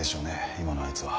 今のあいつは。